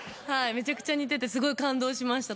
めちゃくちゃ似ててすごい感動しました。